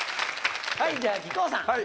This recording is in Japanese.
はいじゃあ木久扇さん。